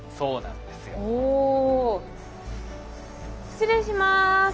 失礼します。